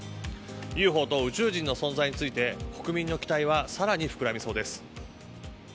ＵＦＯと宇宙人の存在について国民の期待は更に膨らみそうです。